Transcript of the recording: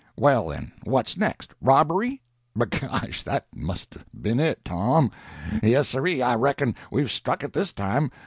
Well, then, what's next? Robbery? B'gosh, that must 'a' been it, Tom! Yes, sirree, I reckon we've struck it this time.